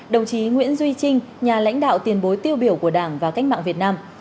đồng chí nguyễn duy trinh nhà lãnh đạo tiền bối tiêu biểu của đảng và cách mạng việt nam